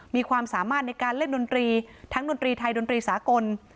มีความสามารถในการเล่นดนตรีทั้งดนตรีไทยดนตรีสากล